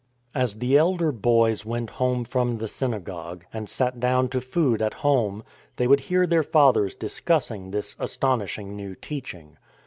As the elder boys went home from the synagogue, and sat down to food at home, they would hear their fathers discussing this astonishing new teaching.